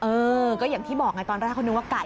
เออก็อย่างที่บอกไงตอนแรกเขานึกว่าไก่